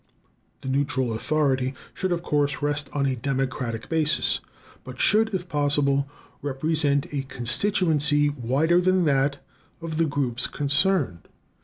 The neutral authority should, of course, rest on a democratic basis, but should, if possible, represent a constituency wider than that of the groups concerned.